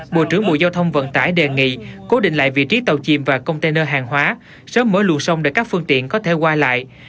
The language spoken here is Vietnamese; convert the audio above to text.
bộ trưởng bộ giao thông vận tải đề nghị cố định lại vị trí tàu chìm và container hàng hóa sớm mở luồng sông để các phương tiện có thể qua lại